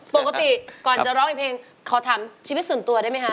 ปกติก่อนจะร้องเพลงขอถามชีวิตส่วนตัวได้ไหมคะ